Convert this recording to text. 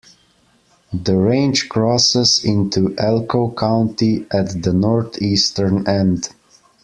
The range crosses into Elko County at the northeastern end.